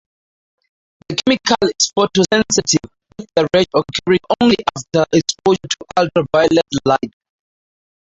The chemical is photosensitive, with the rash occurring only after exposure to ultraviolet light.